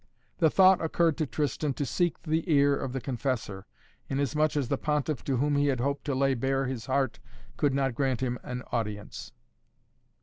The thought occurred to Tristan to seek the ear of the Confessor, in as much as the Pontiff to whom he had hoped to lay bare his heart could not grant him an audience.